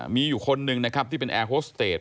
มีอยู่คนหนึ่งนะครับที่เป็นแอร์โฮสเตจ